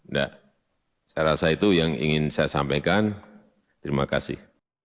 nah saya rasa itu yang ingin saya sampaikan terima kasih